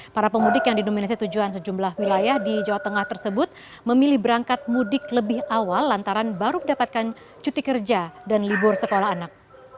para pemudik yang didominasi tujuan sejumlah wilayah di jawa tengah tersebut memilih berangkat mudik lebih awal lantaran baru mendapatkan cuti kerja dan libur sekolah anak